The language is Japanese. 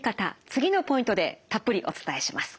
次のポイントでたっぷりお伝えします。